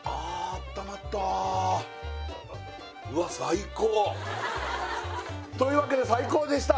あったまったというわけで最高でした